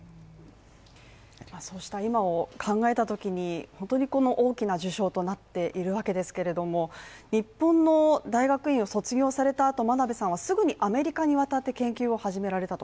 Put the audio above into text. そうした今を考えたとき、本当に大きな受賞となっているわけですけども日本の大学院を卒業されたあと、真鍋さんはすぐにアメリカに渡って研究をされたと。